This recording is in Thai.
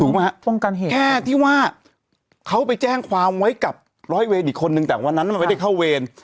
ป้องกันเหตุแค่ที่ว่าเขาไปแจ้งความไว้กับร้อยเวรอีกคนนึงแต่วันนั้นมันไม่ได้เข้าเวร